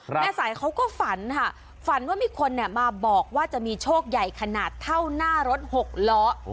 แม่สายเขาก็ฝันค่ะฝันว่ามีคนเนี่ยมาบอกว่าจะมีโชคใหญ่ขนาดเท่าหน้ารถหกล้อ